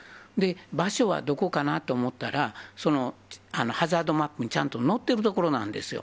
場所はどこかなと思ったら、そのハザードマップにちゃんと載っている所なんですよ。